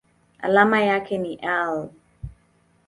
Alama yake ni Al.